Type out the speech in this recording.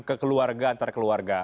ke keluarga antar keluarga